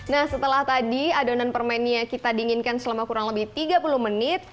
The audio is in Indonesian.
nah setelah tadi adonan permennya kita dinginkan selama kurang lebih tiga puluh menit